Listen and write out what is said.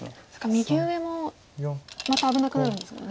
右上もまた危なくなるんですもんね。